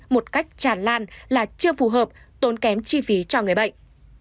một cách tràn lan là chưa phù hợp tốn kém chi phí cho người bệnh